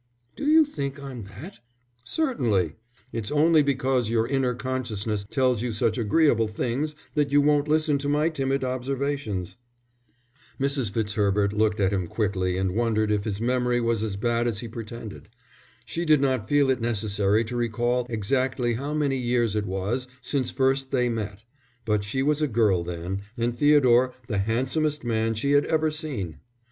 "Do you think I'm that?" "Certainly. It's only because your inner consciousness tells you such agreeable things that you won't listen to my timid observations." Mrs. Fitzherbert looked at him quickly and wondered if his memory was as bad as he pretended. She did not feel it necessary to recall exactly how many years it was since first they met, but she was a girl then, and Theodore the handsomest man she had ever seen.